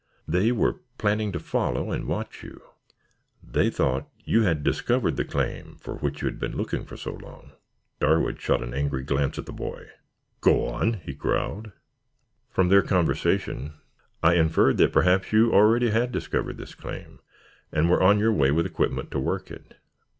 They were planning to follow and watch you. They thought you had discovered the claim for which you have been looking for so long." Darwood shot an angry glance at the boy. "Go on," he growled. "From their conversation I inferred that perhaps you already had discovered this claim and were on your way with equipment to work it.